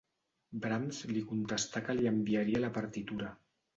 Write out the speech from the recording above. Brahms li contestà que li enviaria la partitura.